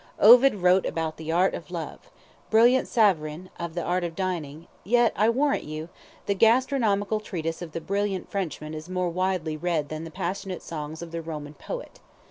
Ovid wrote about the art of love Brillat Savarin, of the art of dining; yet, I warrant you, the gastronomical treatise of the brilliant Frenchman is more widely read than the passionate songs of the Roman poet.